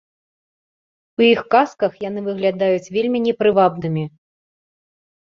У іх казках яны выглядаюць вельмі непрывабнымі.